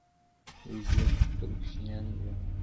وزې پر خپلو کوچنیانو ویاړي